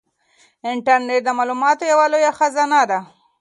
انټرنيټ د معلوماتو یوه لویه خزانه ده.